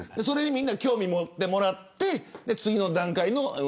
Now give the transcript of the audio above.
みんなに興味を持ってもらって次の段階。